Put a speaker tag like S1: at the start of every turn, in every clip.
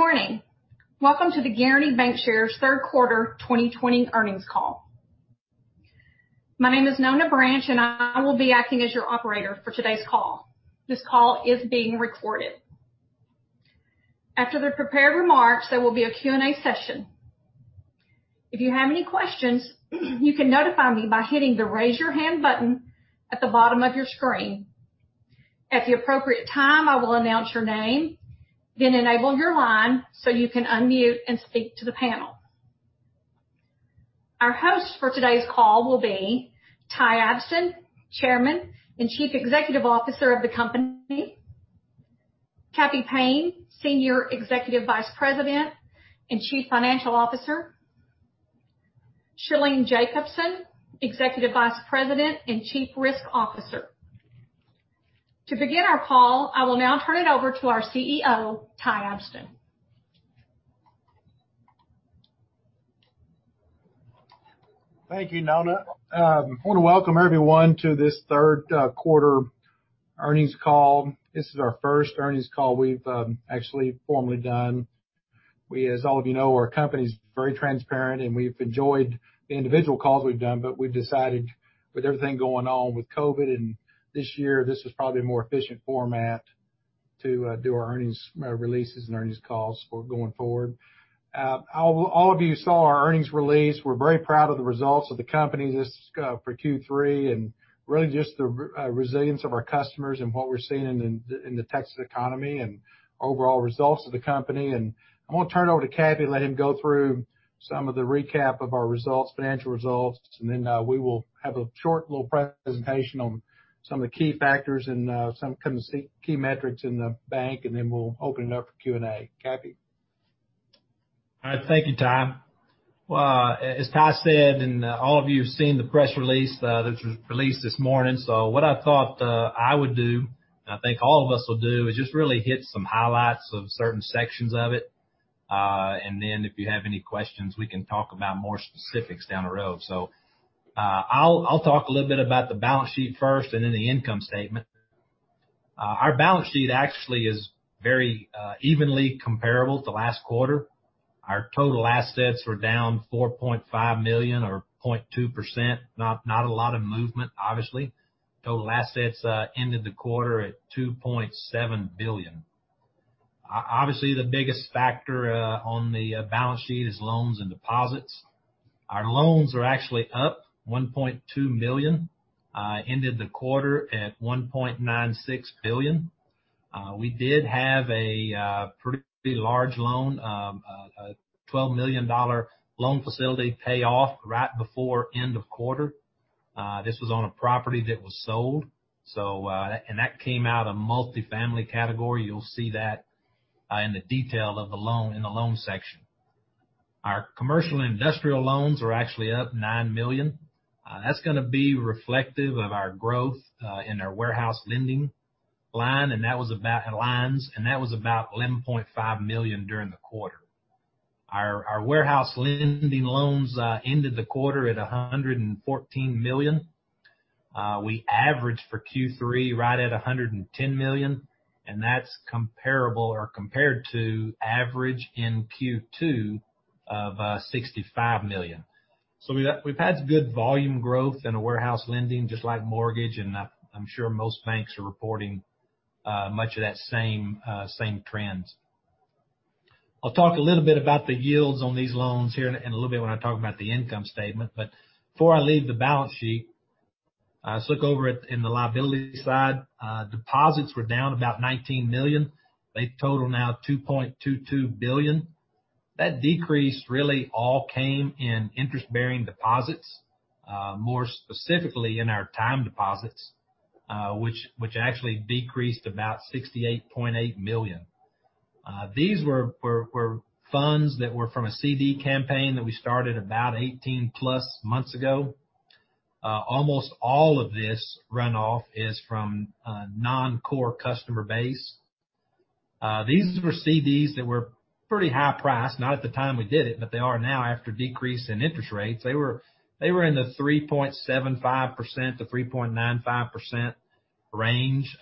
S1: Good morning. Welcome to the Guaranty Bancshares third quarter 2020 earnings call. My name is Nona Branch, and I will be acting as your operator for today's call. This call is being recorded. After the prepared remarks, there will be a Q&A session. If you have any questions, you can notify me by hitting the Raise Your Hand button at the bottom of your screen. At the appropriate time, I will announce your name, then enable your line so you can unmute and speak to the panel. Our host for today's call will be Ty Abston, Chairman and Chief Executive Officer of the company, Cappy Payne, Senior Executive Vice President and Chief Financial Officer, Shalene Jacobson, Executive Vice President and Chief Risk Officer. To begin our call, I will now turn it over to our CEO, Ty Abston.
S2: Thank you, Nona. I want to welcome everyone to this third quarter earnings call. This is our first earnings call we've actually formally done. We, as all of you know, our company's very transparent, and we've enjoyed the individual calls we've done, but we've decided with everything going on with COVID and this year, this is probably a more efficient format to do our earnings releases and earnings calls going forward. All of you saw our earnings release. We're very proud of the results of the company this for Q3, and really just the resilience of our customers and what we're seeing in the Texas economy and overall results of the company. I want to turn it over to Cappy and let him go through some of the recap of our results, financial results. We will have a short little presentation on some of the key factors and some kind of key metrics in the bank. We'll open it up for Q&A. Cappy?
S3: All right. Thank you, Ty. Well, as Ty said, all of you have seen the press release that was released this morning. What I thought I would do, and I think all of us will do, is just really hit some highlights of certain sections of it. Then if you have any questions, we can talk about more specifics down the road. I'll talk a little bit about the balance sheet first and then the income statement. Our balance sheet actually is very evenly comparable to last quarter. Our total assets were down $4.5 million or 0.2%. Not a lot of movement, obviously. Total assets ended the quarter at $2.7 billion. Obviously, the biggest factor on the balance sheet is loans and deposits. Our loans are actually up $1.2 million, ended the quarter at $1.96 billion. We did have a pretty large loan, a $12 million loan facility payoff right before end of quarter. This was on a property that was sold, and that came out of multifamily category. You'll see that in the detail of the loan in the loan section. Our commercial and industrial loans are actually up $9 million. That's going to be reflective of our growth in our warehouse lending lines, and that was about $11.5 million during the quarter. Our warehouse lending loans ended the quarter at $114 million. We averaged for Q3 right at $110 million, and that's comparable or compared to average in Q2 of $65 million. We've had good volume growth in warehouse lending, just like mortgage, and I'm sure most banks are reporting much of that same trend. I'll talk a little bit about the yields on these loans here and a little bit when I talk about the income statement. Before I leave the balance sheet, let's look over at in the liability side. Deposits were down about $19 million. They total now $2.22 billion. That decrease really all came in interest-bearing deposits, more specifically in our time deposits, which actually decreased about $68.8 million. These were funds that were from a CD campaign that we started about 18+ months ago. Almost all of this runoff is from a non-core customer base. These were CDs that were pretty high priced, not at the time we did it, but they are now after decrease in interest rates. They were in the 3.75%-3.95% range.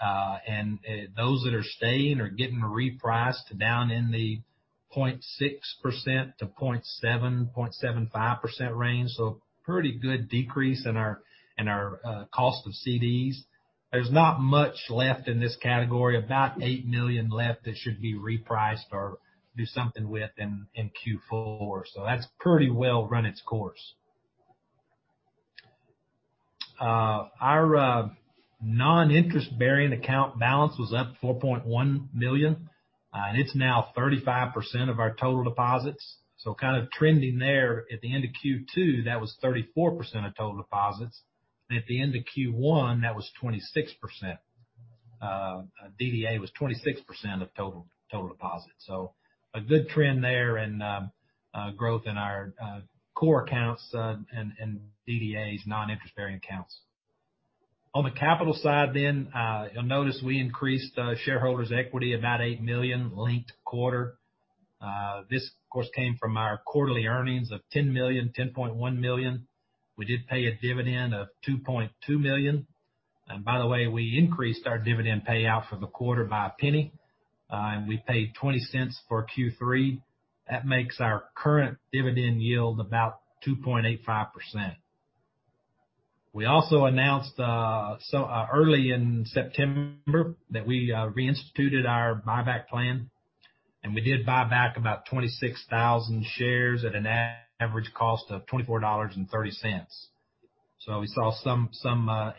S3: Those that are staying are getting repriced down in the 0.6%-0.75% range. Pretty good decrease in our cost of CDs. There's not much left in this category, about $8 million left that should be repriced or do something with in Q4. That's pretty well run its course. Our non-interest-bearing account balance was up $4.1 million. It's now 35% of our total deposits. Kind of trending there at the end of Q2, that was 34% of total deposits. At the end of Q1, that was 26%. DDA was 26% of total deposits. A good trend there and growth in our core accounts and DDAs, non-interest-bearing accounts. On the capital side, you'll notice we increased shareholders equity about $8 million linked quarter. This of course came from our quarterly earnings of $10.1 million. We did pay a dividend of $2.2 million. By the way, we increased our dividend payout for the quarter by $0.01, and we paid $0.20 for Q3. That makes our current dividend yield about 2.85%. We also announced early in September that we reinstituted our buyback plan, and we did buy back about 26,000 shares at an average cost of $24.30. We saw some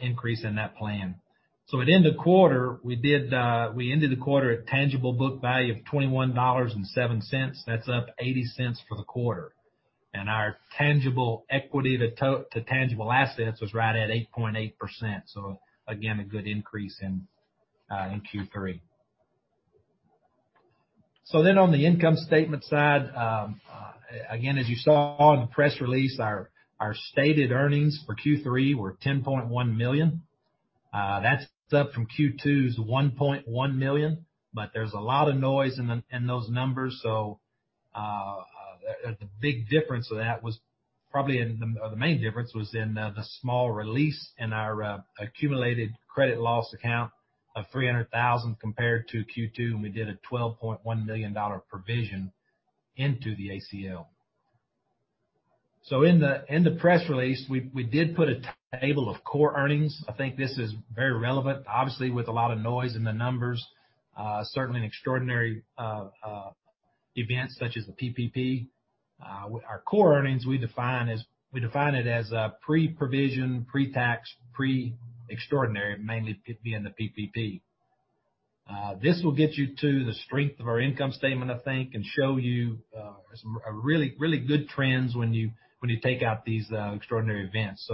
S3: increase in that plan. At end of quarter, we ended the quarter at tangible book value of $21.07. That's up $0.80 for the quarter. Our tangible equity to tangible assets was right at 8.8%. Again, a good increase in Q3. On the income statement side, again, as you saw in the press release, our stated earnings for Q3 were $10.1 million. That's up from Q2's $1.1 million, there's a lot of noise in those numbers. The main difference was in the small release in our accumulated credit loss account of $300,000 compared to Q2, when we did a $12.1 million provision into the ACL. In the press release, we did put a table of core earnings. I think this is very relevant, obviously, with a lot of noise in the numbers, certainly in extraordinary events such as the PPP. Our core earnings, we define it as a pre-provision, pre-tax, pre-extraordinary, mainly being the PPP. This will get you to the strength of our income statement, I think, and show you some really good trends when you take out these extraordinary events.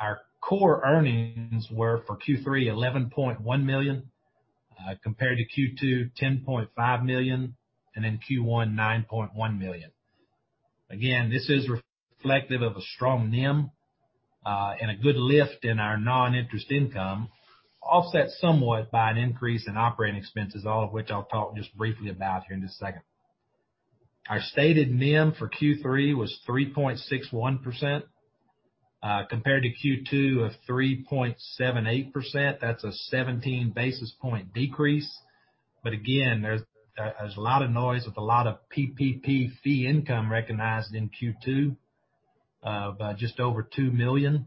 S3: Our core earnings were, for Q3, $11.1 million, compared to Q2, $10.5 million, and in Q1, $9.1 million. Again, this is reflective of a strong NIM and a good lift in our non-interest income, offset somewhat by an increase in operating expenses, all of which I'll talk just briefly about here in just a second. Our stated NIM for Q3 was 3.61%, compared to Q2 of 3.78%. That's a 17 basis point decrease. Again, there's a lot of noise with a lot of PPP fee income recognized in Q2, by just over $2 million.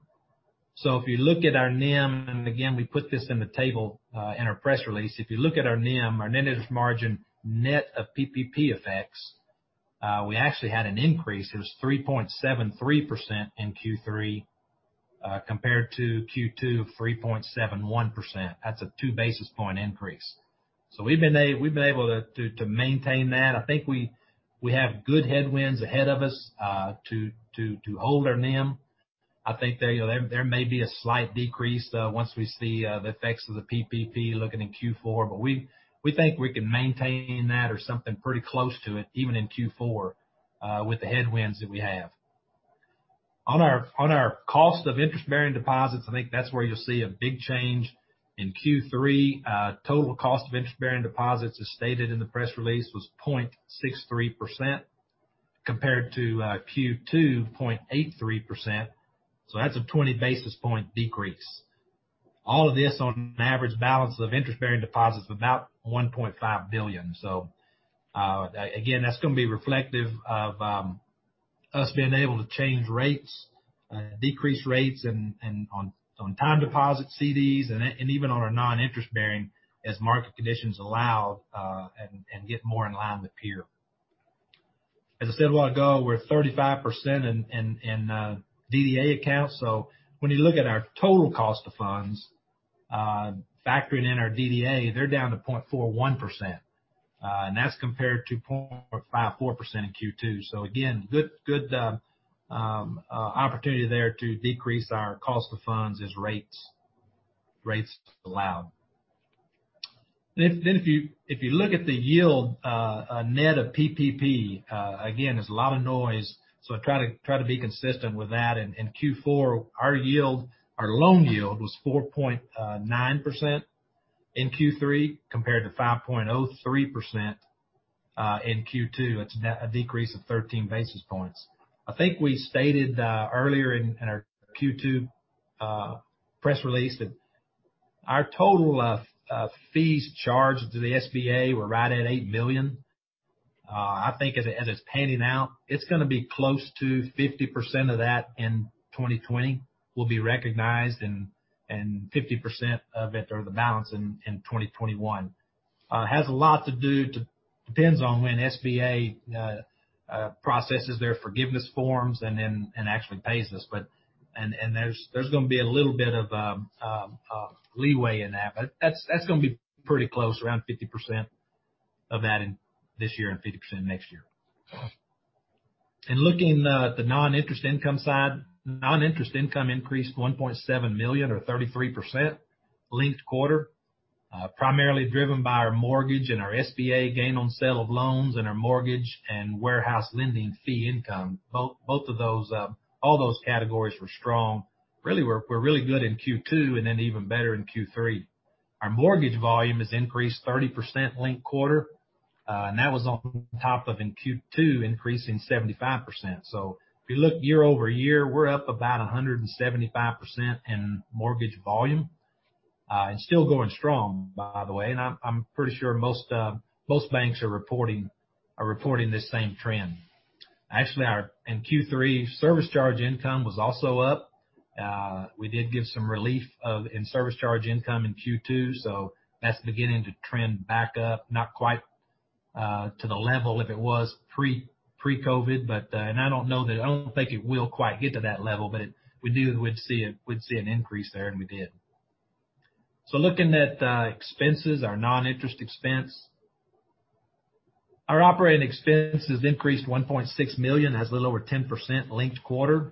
S3: If you look at our NIM, and again, we put this in the table in our press release. If you look at our NIM, our net interest margin, net of PPP effects, we actually had an increase. It was 3.73% in Q3 compared to Q2, 3.71%. That's a 2 basis point increase. We've been able to maintain that. I think we have good headwinds ahead of us to hold our NIM. I think there may be a slight decrease once we see the effects of the PPP looking in Q4. We think we can maintain that or something pretty close to it, even in Q4, with the headwinds that we have. On our cost of interest-bearing deposits, I think that's where you'll see a big change in Q3. Total cost of interest-bearing deposits, as stated in the press release, was 0.63%, compared to Q2, 0.83%. That's a 20 basis point decrease. All of this on an average balance of interest-bearing deposits of about $1.5 billion. Again, that's going to be reflective of us being able to change rates, decrease rates on time deposits, CDs, and even on our non-interest bearing as market conditions allow, and get more in line with peer. As I said a while ago, we're 35% in DDA accounts. When you look at our total cost of funds, factoring in our DDA, they're down to 0.41%, and that's compared to 0.54% in Q2. Again, good opportunity there to decrease our cost of funds as rates allow. If you look at the yield net of PPP, again, there's a lot of noise, so I try to be consistent with that. In Q4, our loan yield was 4.9% in Q3 compared to 5.03% in Q2. That's a decrease of 13 basis points. I think we stated earlier in our Q2 press release that our total fees charged to the SBA were right at $8 million. I think as it's panning out, it's going to be close to 50% of that in 2020 will be recognized, and 50% of it, or the balance, in 2021. Depends on when SBA processes their forgiveness forms and then actually pays us. There's going to be a little bit of leeway in that, but that's going to be pretty close, around 50% of that in this year and 50% next year. In looking at the non-interest income side, non-interest income increased $1.7 million or 33% linked quarter, primarily driven by our mortgage and our SBA gain on sale of loans and our mortgage and warehouse lending fee income. All those categories were strong. We were really good in Q2 and then even better in Q3. Our mortgage volume has increased 30% linked-quarter. That was on top of in Q2 increasing 75%. If you look year-over-year, we're up about 175% in mortgage volume. Still going strong, by the way. I'm pretty sure most banks are reporting the same trend. Actually, in Q3, service charge income was also up. We did give some relief in service charge income in Q2, that's beginning to trend back up, not quite to the level if it was pre-COVID. I don't think it will quite get to that level, but we'd see an increase there, and we did. Looking at expenses, our non-interest expense. Our operating expenses increased $1.6 million, that's a little over 10% linked-quarter.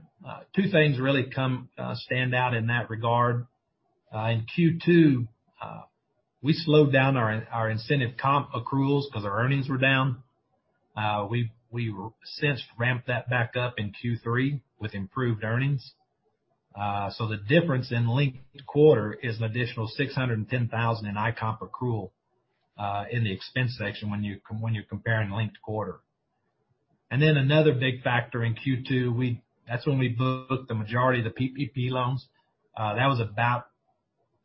S3: Two things really stand out in that regard. In Q2, we slowed down our incentive comp accruals because our earnings were down. We've since ramped that back up in Q3 with improved earnings. The difference in linked quarter is an additional $610,000 in ICOMP accrual in the expense section when you're comparing linked quarter. Another big factor in Q2, that's when we booked the majority of the PPP loans.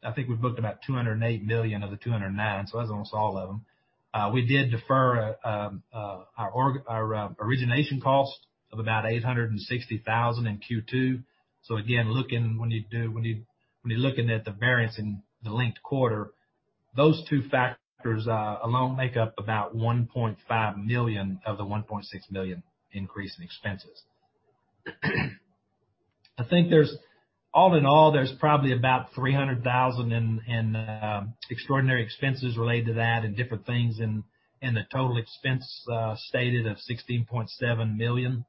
S3: I think we booked about $208 million of the $209, so that's almost all of them. We did defer our origination cost of about $860,000 in Q2. Again, when you're looking at the variance in the linked quarter, those two factors alone make up about $1.5 million of the $1.6 million increase in expenses. All in all, there's probably about $300,000 in extraordinary expenses related to that and different things in the total expense stated of $16.7 million.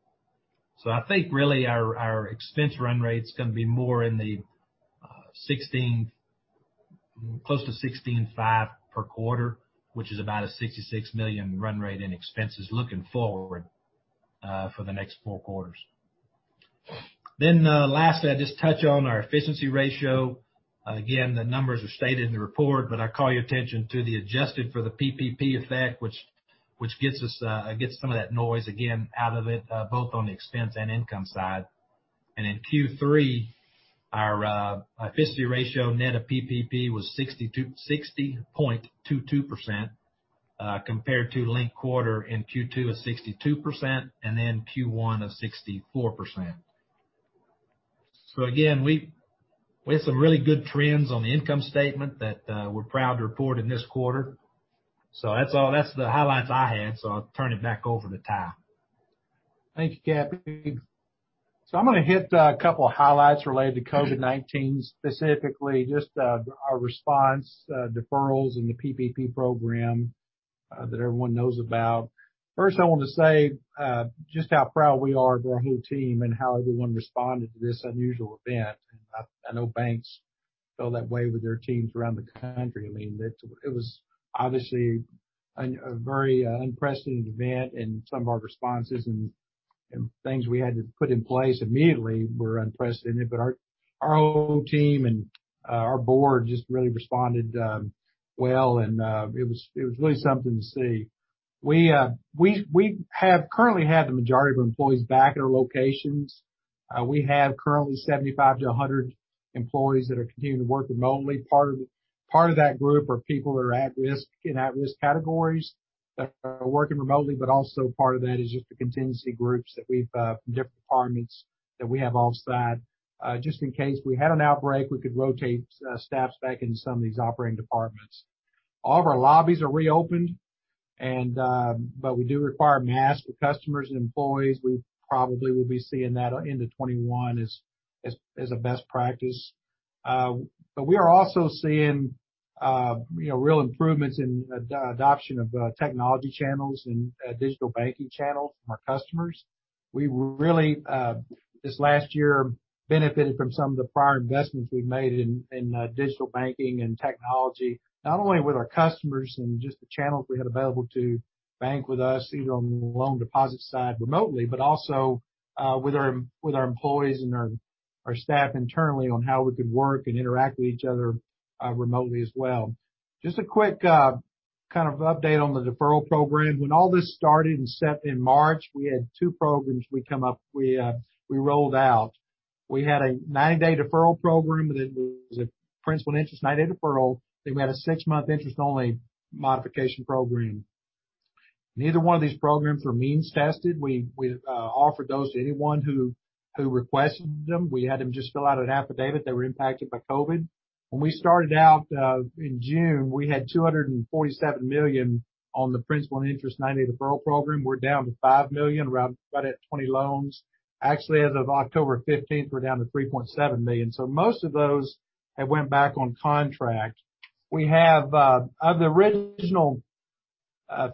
S3: I think really our expense run rate's going to be more close to $16.5 million per quarter, which is about a $66 million run rate in expenses looking forward for the next four quarters. Lastly, I'll just touch on our efficiency ratio. Again, the numbers are stated in the report, but I call your attention to the adjusted for the PPP effect, which gets some of that noise again out of it, both on the expense and income side. In Q3, our efficiency ratio net of PPP was 60.22%, compared to linked quarter in Q2 of 62%, Q1 of 64%. Again, we have some really good trends on the income statement that we're proud to report in this quarter. That's all. That's the highlights I had. I'll turn it back over to Ty.
S2: Thank you, Cappy. I'm going to hit a couple of highlights related to COVID-19, specifically just our response deferrals and the PPP program that everyone knows about. First, I want to say just how proud we are of our whole team and how everyone responded to this unusual event. I know banks feel that way with their teams around the country. It was obviously a very unprecedented event, and some of our responses and things we had to put in place immediately were unprecedented. Our whole team and our board just really responded well, and it was really something to see. We have currently had the majority of employees back at our locations. We have currently 75-100 employees that are continuing to work remotely. Part of that group are people that are in at-risk categories that are working remotely, but also part of that is just the contingency groups from different departments that we have offsite. Just in case we had an outbreak, we could rotate staffs back into some of these operating departments. All of our lobbies are reopened, but we do require masks for customers and employees. We probably will be seeing that into 2021 as a best practice. We are also seeing real improvements in adoption of technology channels and digital banking channels from our customers. We really, this last year, benefited from some of the prior investments we've made in digital banking and technology, not only with our customers and just the channels we had available to bank with us, either on the loan deposit side remotely, also with our employees and our staff internally on how we could work and interact with each other remotely as well. Just a quick update on the deferral program. When all this started in March, we had two programs we rolled out. We had a 90-day deferral program that was a principal and interest 90-day deferral, we had a six-month interest-only modification program. Neither one of these programs were means tested. We offered those to anyone who requested them. We had them just fill out an affidavit they were impacted by COVID. When we started out in June, we had $247 million on the principal and interest 90-day deferral program. We're down to $5 million, right at 20 loans. Actually, as of October 15th, we're down to $3.7 million. Most of those have went back on contract. Of the original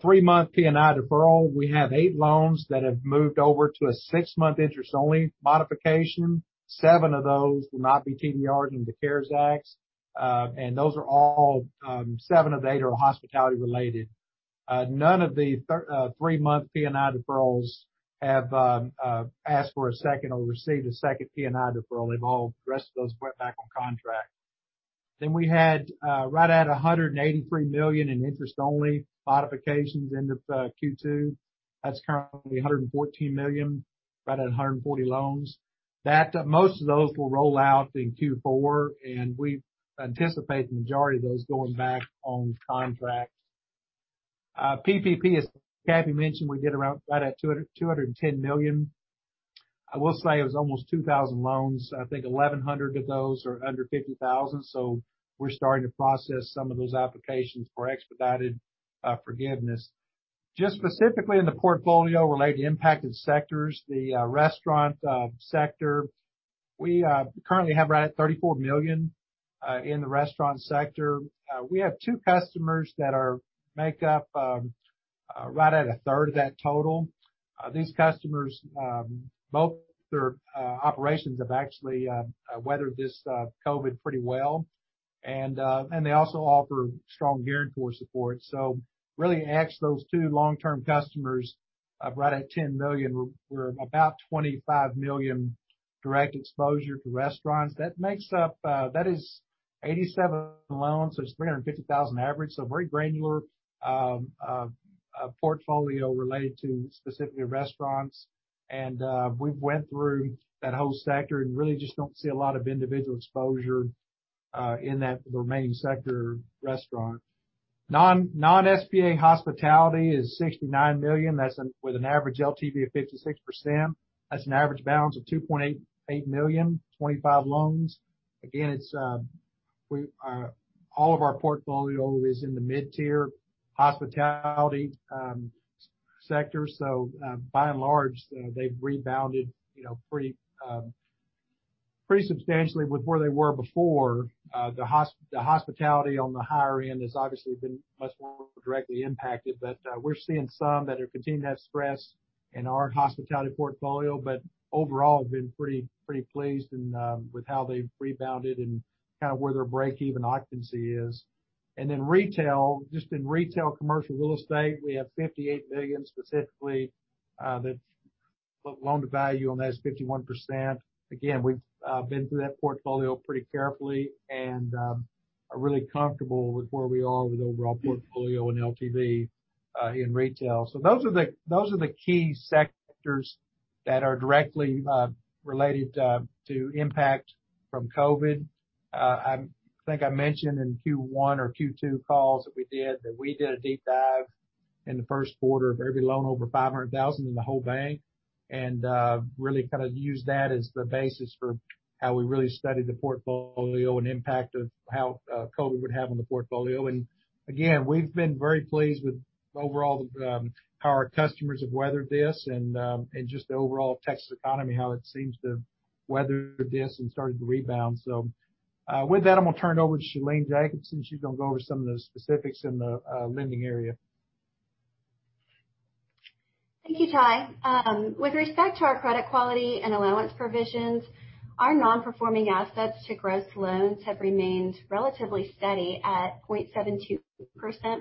S2: three-month P&I deferral, we have eight loans that have moved over to a six-month interest-only modification. Seven of those will not be TDR'd into CARES Act. Seven of the eight are hospitality related. None of the three-month P&I deferrals have asked for a second or received a second P&I deferral. The rest of those went back on contract. We had right at $183 million in interest-only modifications end of Q2. That's currently $114 million, right at 140 loans. Most of those will roll out in Q4, and we anticipate the majority of those going back on contract. PPP, as Cappy mentioned, we did around right at $210 million. I will say it was almost 2,000 loans. I think 1,100 of those are under 50,000. We're starting to process some of those applications for expedited forgiveness. Just specifically in the portfolio related to impacted sectors, the restaurant sector, we currently have right at $34 million in the restaurant sector. We have two customers that make up right at a third of that total. These customers, both their operations have actually weathered this COVID pretty well. They also offer strong guarantor support. Really, those two long-term customers right at $10 million. We're about $25 million direct exposure to restaurants. That is 87 loans, so it's $350,000 average, so very granular portfolio related to specifically restaurants. We've went through that whole sector and really just don't see a lot of individual exposure in that remaining sector restaurant. Non-SBA hospitality is $69 million. That's with an average LTV of 56%. That's an average balance of $2.8 million, 25 loans. Again, all of our portfolio is in the mid-tier hospitality sector. By and large, they've rebounded pretty substantially with where they were before. The hospitality on the higher end has obviously been much more directly impacted, but we're seeing some that are continuing to have stress in our hospitality portfolio. Overall, been pretty pleased with how they've rebounded and kind of where their breakeven occupancy is. Retail, just in retail commercial real estate, we have $58 million specifically. The loan-to-value on that is 51%. We've been through that portfolio pretty carefully and are really comfortable with where we are with overall portfolio and LTV in retail. Those are the key sectors that are directly related to impact from COVID. I think I mentioned in Q1 or Q2 calls that we did, that we did a deep dive in the first quarter of every loan over $500,000 in the whole bank, and really kind of used that as the basis for how we really studied the portfolio and impact of how COVID would have on the portfolio. Again, we've been very pleased with overall how our customers have weathered this and just the overall Texas economy, how it seems to have weathered this and started to rebound. With that, I'm going to turn it over to Shalene Jacobson. She's going to go over some of the specifics in the lending area.
S4: Thank you, Ty. With respect to our credit quality and allowance provisions, our non-performing assets to gross loans have remained relatively steady at 0.72%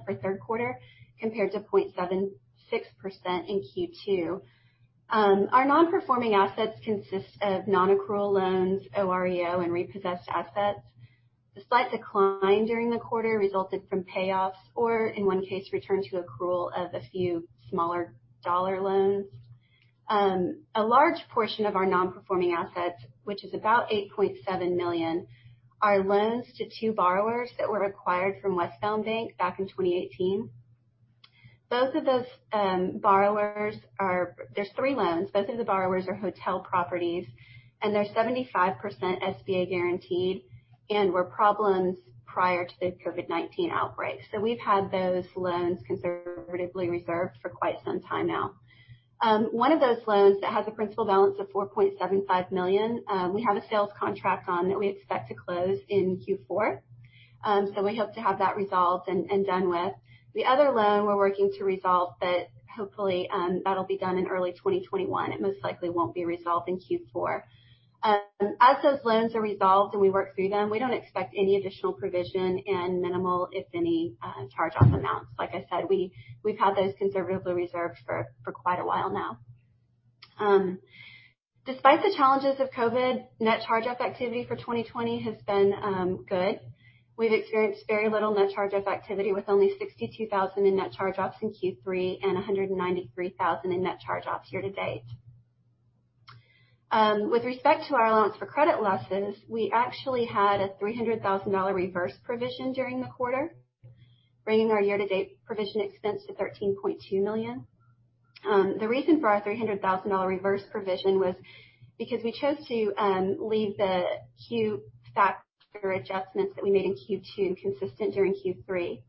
S4: for third quarter, compared to 0.76% in Q2. Our non-performing assets consist of non-accrual loans, OREO, and repossessed assets. The slight decline during the quarter resulted from payoffs or, in one case, return to accrual of a few smaller dollar loans. A large portion of our non-performing assets, which is about $8.7 million, are loans to two borrowers that were acquired from Westbound Bank back in 2018. Both of those borrowers there's three loans. Both of the borrowers are hotel properties, and they're 75% SBA guaranteed and were problems prior to the COVID-19 outbreak. We've had those loans conservatively reserved for quite some time now. One of those loans that has a principal balance of $4.75 million, we have a sales contract on that we expect to close in Q4. We hope to have that resolved and done with. The other loan we're working to resolve, hopefully that'll be done in early 2021. It most likely won't be resolved in Q4. As those loans are resolved and we work through them, we don't expect any additional provision and minimal, if any, charge-off amounts. Like I said, we've had those conservatively reserved for quite a while now. Despite the challenges of COVID, net charge-off activity for 2020 has been good. We've experienced very little net charge-off activity, with only $62,000 in net charge-offs in Q3 and $193,000 in net charge-offs year to date. With respect to our allowance for credit losses, we actually had a $300,000 reverse provision during the quarter, bringing our year-to-date provision expense to $13.2 million. The reason for our $300,000 reverse provision was because we chose to leave the Q factor adjustments that we made in Q2 consistent during Q3.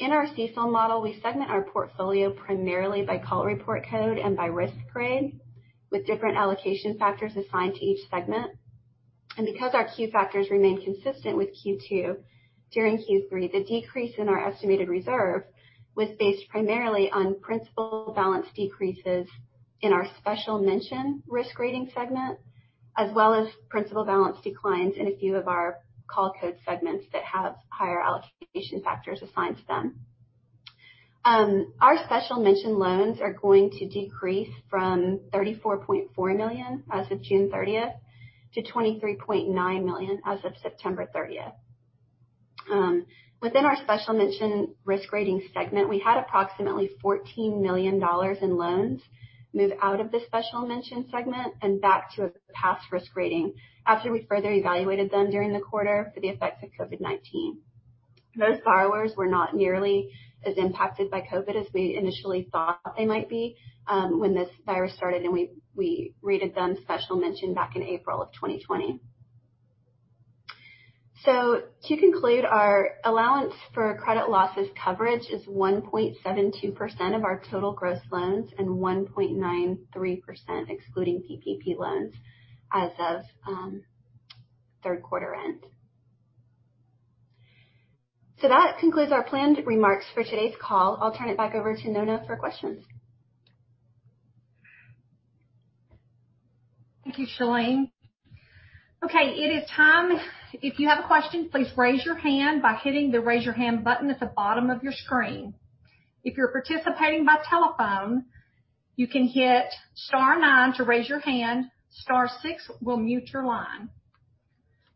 S4: In our CECL model, we segment our portfolio primarily by call report code and by risk grade, with different allocation factors assigned to each segment. Because our Q factors remain consistent with Q2, during Q3, the decrease in our estimated reserve was based primarily on principal balance decreases in our special mention risk rating segment, as well as principal balance declines in a few of our call code segments that have higher allocation factors assigned to them. Our special mention loans are going to decrease from $34.4 million as of June 30th to $23.9 million as of September 30th. Within our special mention risk rating segment, we had approximately $14 million in loans move out of the special mention segment and back to a past risk rating after we further evaluated them during the quarter for the effects of COVID-19. Those borrowers were not nearly as impacted by COVID as we initially thought they might be when this virus started, and we rated them special mention back in April of 2020. To conclude, our allowance for credit losses coverage is 1.72% of our total gross loans and 1.93% excluding PPP loans as of third quarter end. That concludes our planned remarks for today's call. I'll turn it back over to Nona for questions.
S1: Thank you, Shalene. It is time. If you have a question, please raise your hand by hitting the Raise Your Hand button at the bottom of your screen. If you're participating by telephone, you can hit star nine to raise your hand. Star six will mute your line.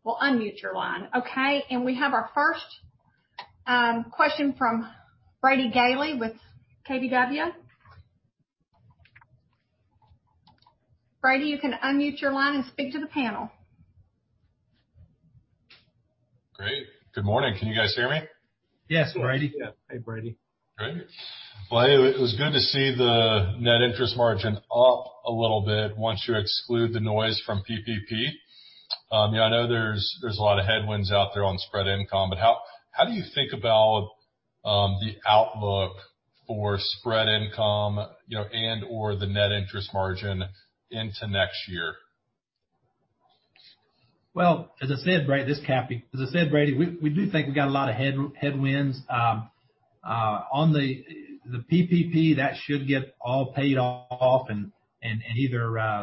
S1: Will unmute your line. We have our first question from Brady Gailey with KBW. Brady, you can unmute your line and speak to the panel.
S5: Great. Good morning. Can you guys hear me?
S3: Yes, Brady.
S2: Yes. Hey, Brady.
S5: Great. Well, it was good to see the net interest margin up a little bit once you exclude the noise from PPP. I know there's a lot of headwinds out there on spread income, but how do you think about the outlook for spread income and/or the net interest margin into next year?
S3: Well, as I said, Brady, this is Cappy. As I said, Brady, we do think we got a lot of headwinds. On the PPP, that should get all paid off and either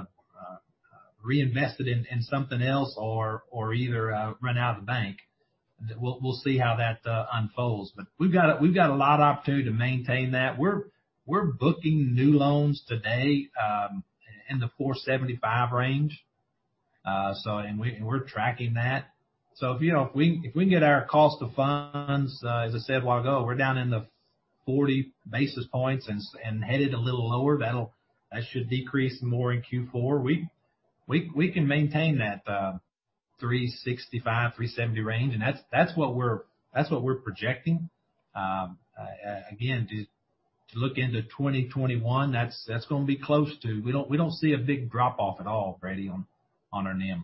S3: reinvested in something else or either run out of the bank. We'll see how that unfolds. We've got a lot of opportunity to maintain that. We're booking new loans today in the 475 range. We're tracking that. If we can get our cost of funds, as I said a while ago, we're down in the 40 basis points and headed a little lower, that should decrease more in Q4. We can maintain that 365, 370 range, and that's what we're projecting. Again, to look into 2021, that's going to be close to. We don't see a big drop-off at all, Brady, on our NIM.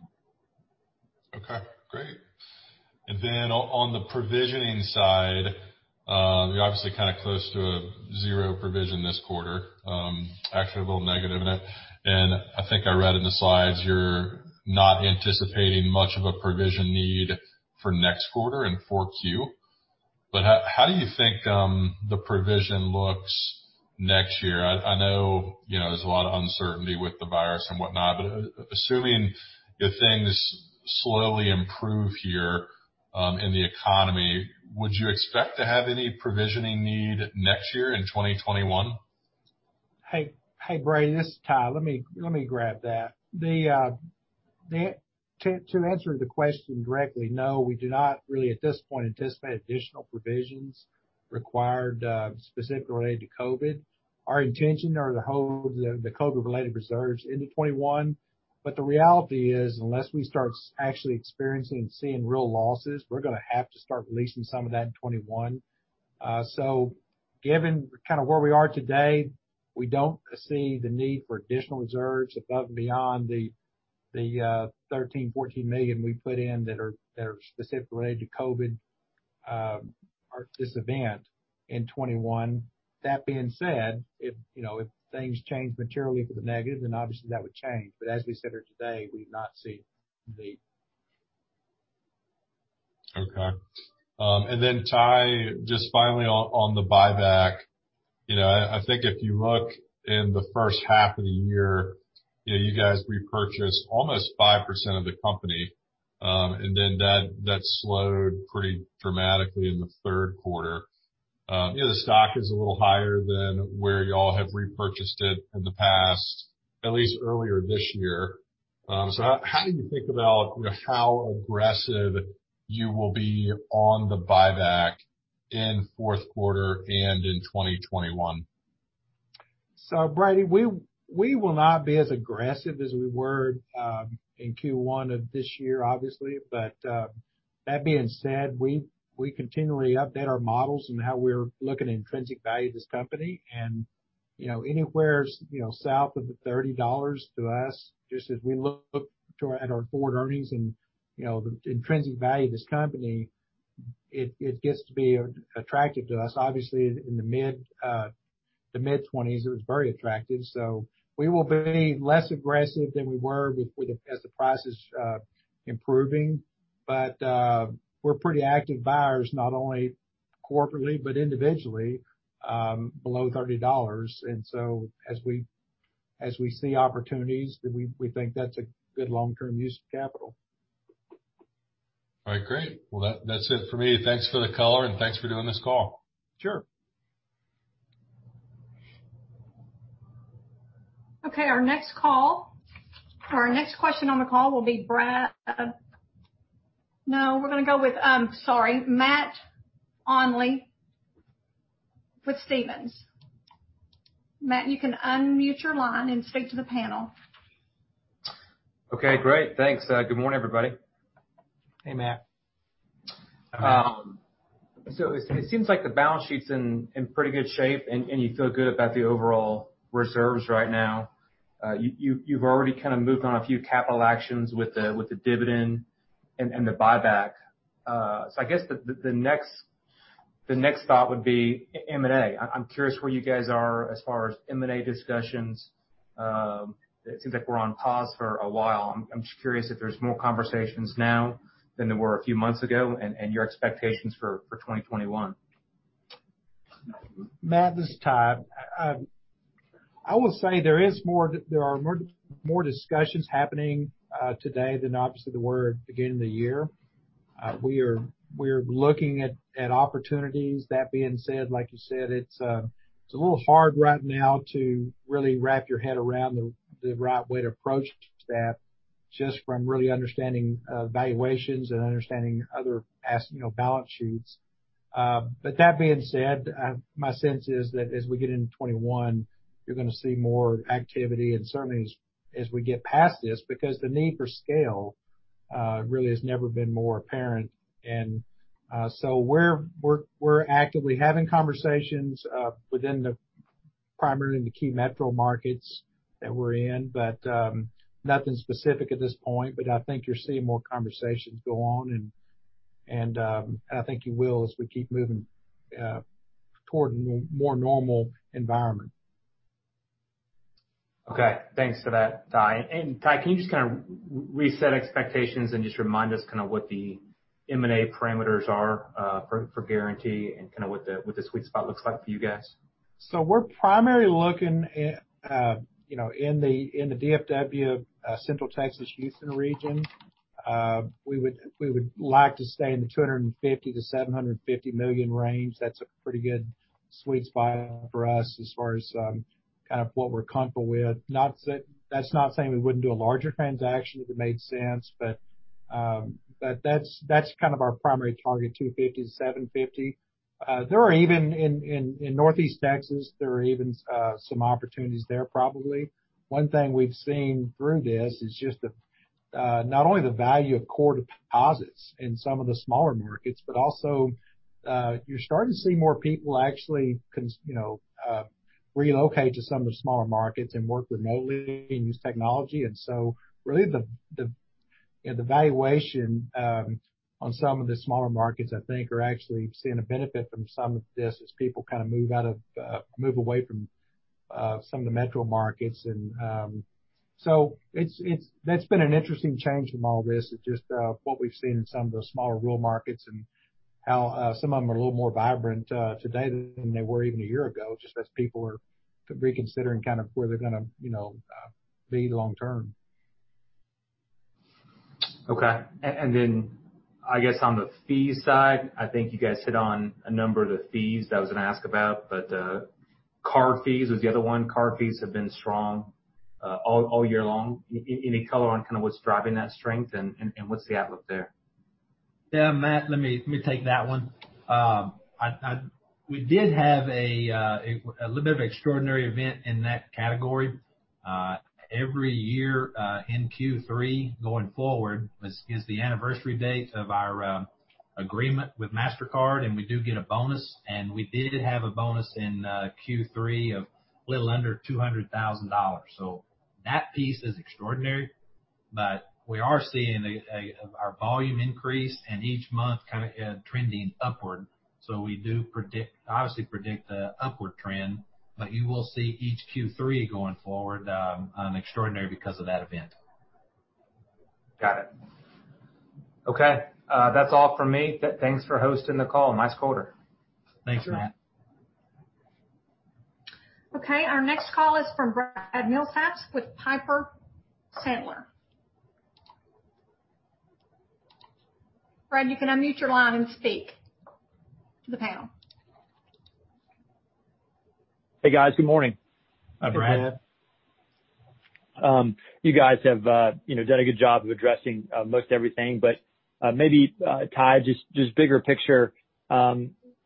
S5: Okay, great. On the provisioning side, you're obviously kind of close to a zero provision this quarter, actually a little negative. I think I read in the slides you're not anticipating much of a provision need for next quarter in 4Q. How do you think the provision looks next year? I know there's a lot of uncertainty with the virus and whatnot, assuming if things slowly improve here in the economy, would you expect to have any provisioning need next year in 2021?
S2: Hey, Brady, this is Ty. Let me grab that. To answer the question directly, no, we do not really at this point anticipate additional provisions required specifically related to COVID. Our intention are to hold the COVID related reserves into 2021. The reality is, unless we start actually experiencing and seeing real losses, we're going to have to start releasing some of that in 2021. Given kind of where we are today, we don't foresee the need for additional reserves above and beyond the $13 million-$14 million we put in that are specifically related to COVID or this event in 2021. That being said, if things change materially for the negative, then obviously that would change. As we sit here today, we do not see the
S5: Okay. Ty, just finally on the buyback. I think if you look in the first half of the year, you guys repurchased almost 5% of the company, and then that slowed pretty dramatically in the third quarter. The stock is a little higher than where you all have repurchased it in the past, at least earlier this year. How do you think about how aggressive you will be on the buyback in fourth quarter and in 2021?
S2: Brady, we will not be as aggressive as we were in Q1 of this year, obviously. That being said, we continually update our models and how we're looking at intrinsic value of this company. Anywhere south of the $30 to us, just as we look at our forward earnings and the intrinsic value of this company, it gets to be attractive to us. Obviously, in the mid-20%s, it was very attractive. We will be less aggressive than we were as the price is improving. We're pretty active buyers, not only corporately, but individually below $30. As we see opportunities, we think that's a good long-term use of capital.
S5: All right, great. That's it for me. Thanks for the color, and thanks for doing this call.
S2: Sure.
S1: Okay, our next question on the call will be, sorry, Matt Olney with Stephens. Matt, you can unmute your line and speak to the panel.
S6: Okay, great. Thanks. Good morning, everybody.
S2: Hey, Matt.
S6: It seems like the balance sheet's in pretty good shape, and you feel good about the overall reserves right now. You've already kind of moved on a few capital actions with the dividend and the buyback. I guess the next thought would be M&A. I'm curious where you guys are as far as M&A discussions. It seems like we're on pause for a while. I'm just curious if there's more conversations now than there were a few months ago, and your expectations for 2021.
S2: Matt, this is Todd. I will say there are more discussions happening today than obviously there were at the beginning of the year. We're looking at opportunities. That being said, like you said, it's a little hard right now to really wrap your head around the right way to approach that just from really understanding valuations and understanding other past balance sheets. That being said, my sense is that as we get into 2021, you're going to see more activity and certainly as we get past this, because the need for scale really has never been more apparent. We're actively having conversations within primarily the key metro markets that we're in, but nothing specific at this point. I think you're seeing more conversations go on, and I think you will as we keep moving toward a more normal environment.
S6: Okay. Thanks for that, Todd. Todd, can you just kind of reset expectations and just remind us kind of what the M&A parameters are for Guaranty Bancshares and kind of what the sweet spot looks like for you guys?
S2: We're primarily looking in the D.F.W., Central Texas, Houston region. We would like to stay in the $250 million-$750 million range. That's a pretty good sweet spot for us as far as kind of what we're comfortable with. That's not saying we wouldn't do a larger transaction if it made sense. That's kind of our primary target, $250 million-$750 million. In Northeast Texas, there are even some opportunities there probably. One thing we've seen through this is just not only the value of core deposits in some of the smaller markets, but also you're starting to see more people actually relocate to some of the smaller markets and work remotely and use technology. Really the valuation on some of the smaller markets I think are actually seeing a benefit from some of this as people kind of move away from some of the metro markets. That's been an interesting change from all this is just what we've seen in some of the smaller rural markets and how some of them are a little more vibrant today than they were even a year ago, just as people are reconsidering kind of where they're going to be long term.
S6: Okay. I guess on the fee side, I think you guys hit on a number of the fees that I was going to ask about. Card fees was the other one. Card fees have been strong all year long. Any color on kind of what's driving that strength and what's the outlook there?
S3: Yeah, Matt, let me take that one. We did have a little bit of extraordinary event in that category. Every year in Q3 going forward is the anniversary date of our agreement with Mastercard, and we do get a bonus, and we did have a bonus in Q3 of a little under $200,000. That piece is extraordinary, but we are seeing our volume increase and each month kind of trending upward. We do obviously predict a upward trend, but you will see each Q3 going forward extraordinary because of that event.
S6: Got it. Okay. That's all from me. Thanks for hosting the call. Nice quarter.
S3: Thanks, Matt.
S1: Okay, our next call is from Brad Milsaps with Piper Sandler. Brad, you can unmute your line and speak to the panel.
S7: Hey, guys. Good morning.
S2: Hi, Brad.
S3: Hey, Brad.
S7: You guys have done a good job of addressing most everything, maybe, Todd, just bigger picture.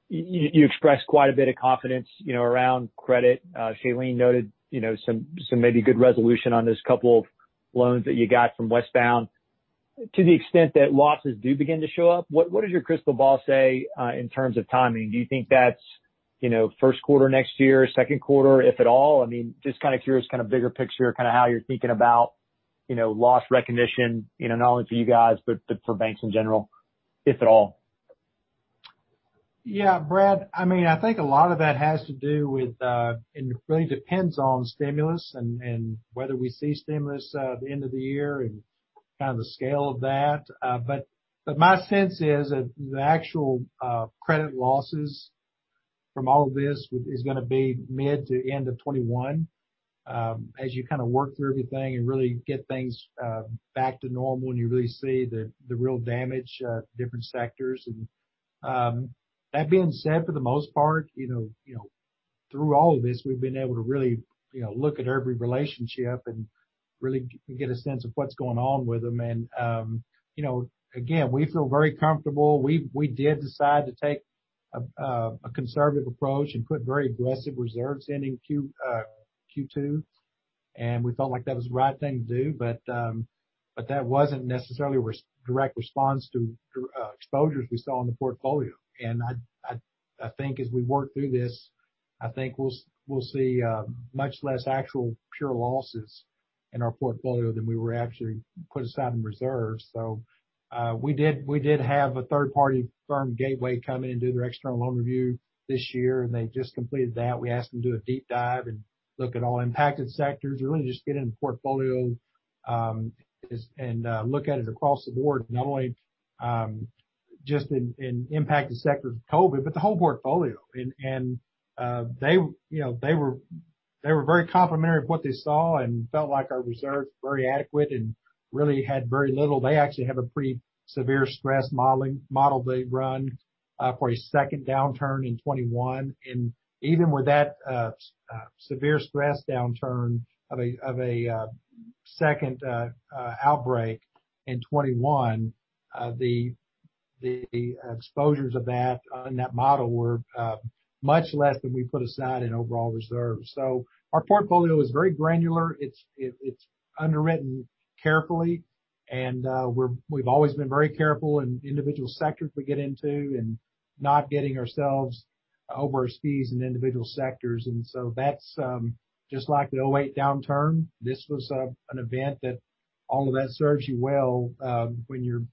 S7: You expressed quite a bit of confidence around credit. Shalene noted some maybe good resolution on those couple of loans that you got from Westbound Bank. To the extent that losses do begin to show up, what does your crystal ball say in terms of timing? Do you think that's first quarter next year, second quarter, if at all? I mean, just kind of curious, kind of bigger picture, kind of how you're thinking about loss recognition, not only for you guys, but for banks in general, if at all.
S2: Brad, I think a lot of that has to do with, and it really depends on stimulus and whether we see stimulus at the end of the year and kind of the scale of that. My sense is that the actual credit losses from all of this is going to be mid to end of 2021, as you work through everything and really get things back to normal and you really see the real damage, different sectors. That being said, for the most part, through all of this, we've been able to really look at every relationship and really get a sense of what's going on with them. Again, we feel very comfortable. We did decide to take a conservative approach and put very aggressive reserves in Q2, and we felt like that was the right thing to do. That wasn't necessarily a direct response to exposures we saw in the portfolio. I think as we work through this, I think we'll see much less actual pure losses in our portfolio than we actually put aside in reserves. We did have a third-party firm, Gateway, come in and do their external loan review this year, and they just completed that. We asked them to do a deep dive and look at all impacted sectors, and really just get into the portfolio, and look at it across the board, not only just in impacted sectors of COVID, but the whole portfolio. They were very complimentary of what they saw and felt like our reserves were very adequate, and really had very little. They actually have a pretty severe stress model they run for a second downturn in 2021. Even with that severe stress downturn of a second outbreak in 2021, the exposures of that on that model were much less than we put aside in overall reserves. Our portfolio is very granular. It's underwritten carefully, and we've always been very careful in individual sectors we get into, and not getting ourselves over our skis in individual sectors. That's just like the 2008 downturn. This was an event that all of that serves you well when your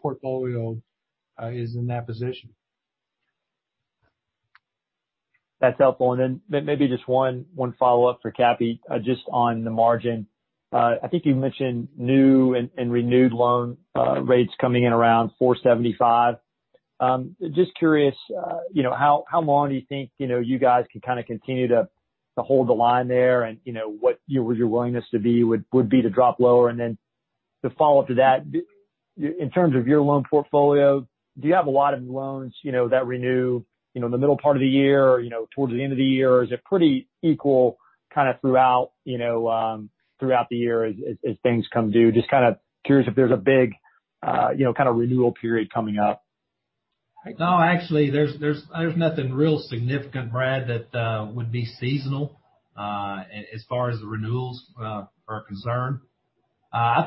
S2: portfolio is in that position.
S7: That's helpful. Maybe just one follow-up for Cappy, just on the margin. I think you mentioned new and renewed loan rates coming in around 475. Just curious, how long do you think you guys can kind of continue to hold the line there and what would your willingness to be would be to drop lower? The follow-up to that, in terms of your loan portfolio, do you have a lot of loans that renew in the middle part of the year or towards the end of the year? Or is it pretty equal kind of throughout the year as things come due? Just kind of curious if there's a big kind of renewal period coming up.
S3: No, actually, there's nothing real significant, Brad, that would be seasonal as far as the renewals are concerned. I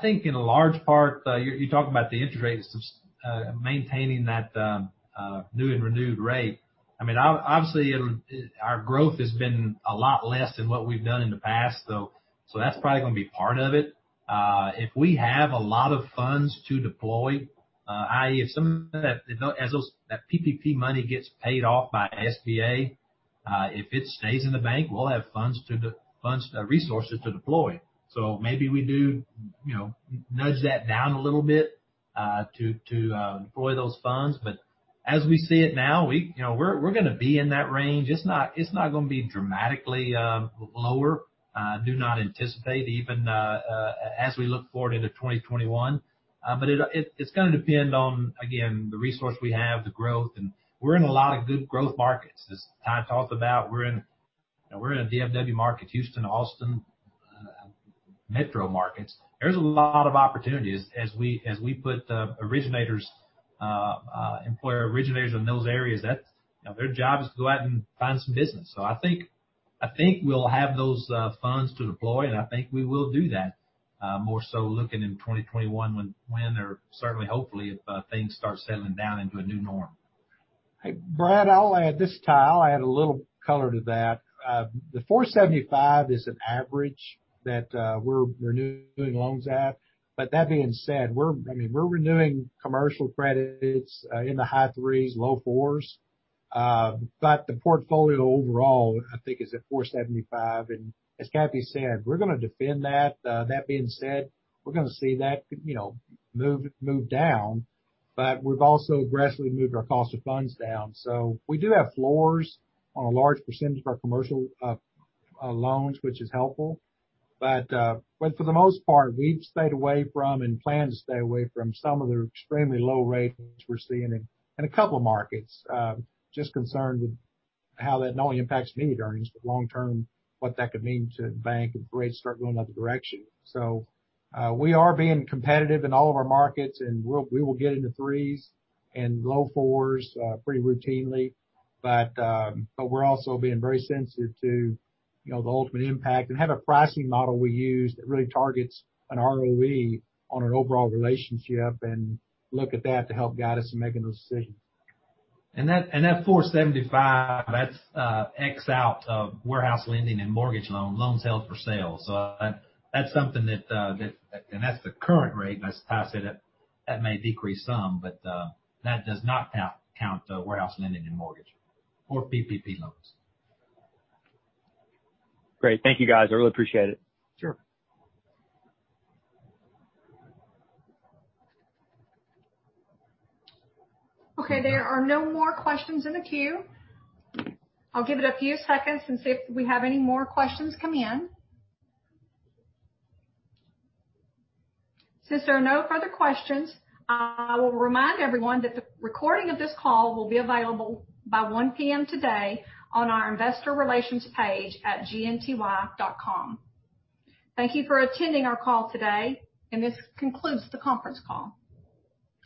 S3: think in a large part, you're talking about the (interest rate) maintaining that new and renewed rate. Obviously, our growth has been a lot less than what we've done in the past, so that's probably going to be part of it. If we have a lot of funds to deploy, i.e., if some of that PPP money gets paid off by SBA, if it stays in the bank, we'll have resources to deploy. Maybe we do nudge that down a little bit to deploy those funds. As we see it now, we're going to be in that range. It's not going to be dramatically lower. Do not anticipate even as we look forward into 2021. It's going to depend on, again, the resource we have, the growth. We're in a lot of good growth markets. As Todd talked about, we're in D.F.W. markets, Houston, Austin metro markets. There's a lot of opportunities as we put employer originators in those areas that their job is to go out and find some business. I think we'll have those funds to deploy, and I think we will do that more so looking in 2021 when or certainly hopefully if things start settling down into a new norm.
S2: Brad, I'll add this. I'll add a little color to that. The 475 is an average that we're renewing loans at. That being said, we're renewing commercial credits in the high threes, low fours. The portfolio overall, I think is at 475. As Cappy said, we're going to defend that. That being said, we're going to see that move down, but we've also aggressively moved our cost of funds down. We do have floors on a large percentage of our commercial loans, which is helpful. For the most part, we've stayed away from and plan to stay away from some of the extremely low rates we're seeing in a couple of markets. Just concerned with how that not only impacts my earnings, but long term, what that could mean to the bank if rates start going the other direction. We are being competitive in all of our markets, and we will get into threes and low fours pretty routinely. We're also being very sensitive to the ultimate impact and have a pricing model we use that really targets an ROE on an overall relationship and look at that to help guide us in making those decisions.
S3: That 475, that's X out of warehouse lending and mortgage loan held for sale. That's something that. That's the current rate, and as Todd said, that may decrease some, but that does not count the warehouse lending and mortgage or PPP loans.
S7: Great. Thank you guys. I really appreciate it.
S2: Sure.
S1: Okay, there are no more questions in the queue. I'll give it a few seconds and see if we have any more questions come in. Since there are no further questions, I will remind everyone that the recording of this call will be available by 1:00 P.M. today on our investor relations page at gnty.com. Thank you for attending our call today, and this concludes the conference call.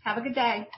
S1: Have a good day.